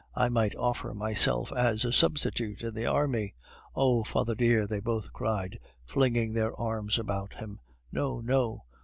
I might offer myself as a substitute in the army " "Oh! father dear!" they both cried, flinging their arms about him. "No, no!"